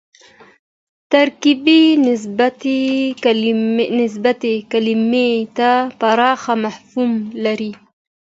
ترکیب نسبت کلیمې ته پراخ مفهوم لري